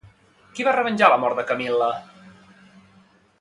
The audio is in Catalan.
Qui va revenjar la mort de Camil·la?